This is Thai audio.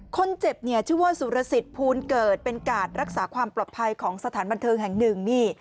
คนเจ็บเนี่ยชื่อว่าสุรสิทธิ์ภูลเกิดเป็นกาดรักษาความปลอดภัยของสถานบันเทิงแห่งหนึ่งนี่